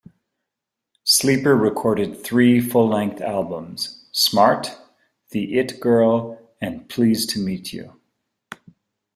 Sleeper recorded three full-length albums: "Smart", "The It Girl", and "Pleased to Meet You".